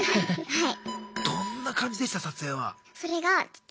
はい。